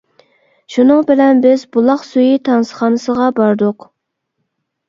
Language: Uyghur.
شۇنىڭ بىلەن بىز «بۇلاق سۈيى» تانسىخانىسىغا باردۇق.